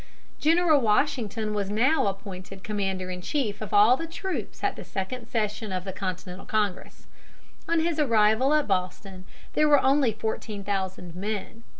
General Washington was now appointed commander in chief of all the troops at the second session of the Continental Congress. On his arrival at Boston there were only fourteen thousand men.